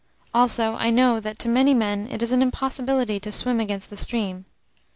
Also, I know that, to many men, it is an impossibility to swim against the stream.